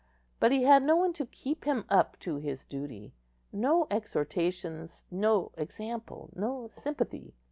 But he had no one to keep him up to his duty; no exhortations, no example, no sympathy.